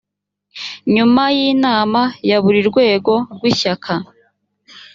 nyuma y inama ya buri rwego rw ishyaka